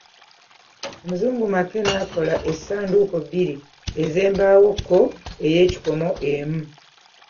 Omuzungu Mackay n'akola essanduuko bbiri ez'embawo ko ey'ekikomo emu.